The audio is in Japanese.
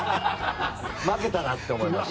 負けたなって思います。